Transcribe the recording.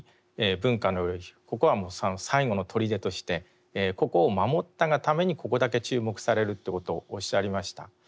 ここはもう最後の砦としてここを守ったがためにここだけ注目されるということをおっしゃりました。